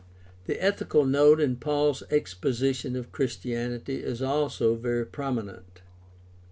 The ethical note in Paul's exposition of Christianity is also very prominent.